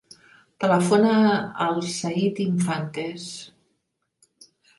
Telefona al Zaid Infantes.